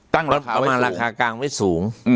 ตั้งราคาไว้สูงเอามาราคากลางไว้สูง